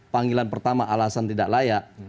panggilan pertama alasan tidak layak